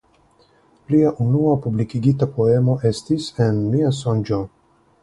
Lia unua publikigita poemo estis "En mia sonĝo".